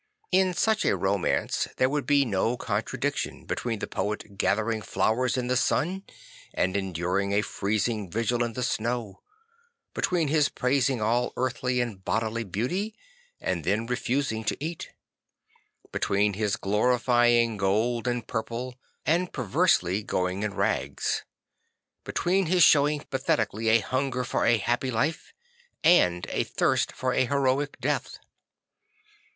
In such a romance there would be no contradiction between the poet gathering flowers in the sun and enduring a freezing vigil in the snow, between his praising all earthly and bodily beauty and then refusing to eat, between his glorifying gold and purple and perversely going in rags, between his showing pathetically a hunger for a happy life and a thirst for a heroic death.